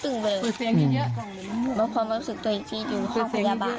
ตัวอีกทีอยู่พอรู้สึกตัวอีกทีอยู่ห้องปฐมพยาบาล